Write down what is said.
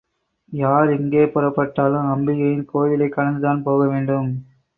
யார் எங்கே புறப்பட்டாலும், அம்பிகையின் கோயிலைக் கடந்துதான் போகவேண்டும்.